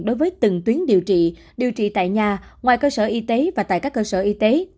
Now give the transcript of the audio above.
đối với từng tuyến điều trị điều trị tại nhà ngoài cơ sở y tế và tại các cơ sở y tế